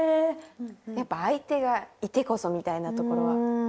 やっぱ相手がいてこそみたいなところは。